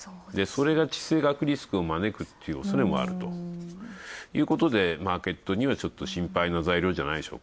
それが地政学リスクを招くっていうおそれもあるということで、マーケットにはちょっと心配な材料では。